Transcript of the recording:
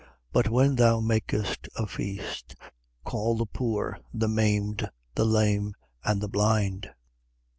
14:13. But when thou makest a feast, call the poor, the maimed, the lame and the blind.